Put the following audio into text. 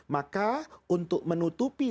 maka untuk menutupi